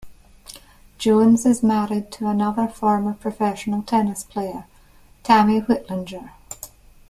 Jones is married to another former professional tennis player, Tami Whitlinger.